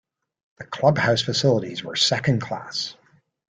The clubhouse facilities were second-class.